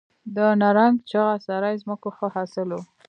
د نرنګ، چغه سرای ځمکو ښه حاصل و